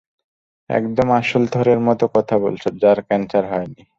একদম আসল থরের মতো কথা বলছ, যার ক্যান্সার হয়নি।